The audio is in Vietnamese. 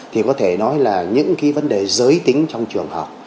thì có thể nói là những cái vấn đề giới tính trong trường học